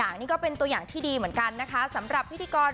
อย่างนี้ก็เป็นตัวอย่างที่ดีเหมือนกันนะคะสำหรับพิธีกร